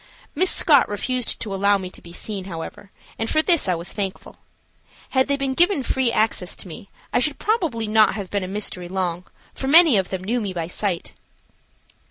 Miss Scott refused to allow me to be seen, however, and for this I was thankful. Had they been given free access to me, I should probably not have been a mystery long, for many of them knew me by sight.